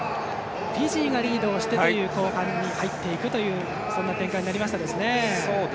フィジーがリードして後半に入っていくというそんな展開になりましたね。